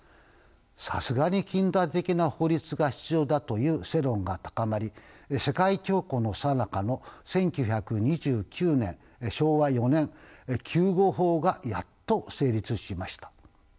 さすがに近代的な法律が必要だという世論が高まり世界恐慌のさなかの１９２９年昭和４年救護法がやっと成立しました。